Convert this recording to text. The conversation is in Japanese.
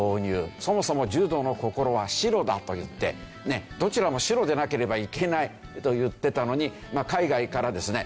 そもそも柔道の心は白だといってどちらも白でなければいけないといっていたのに海外からですね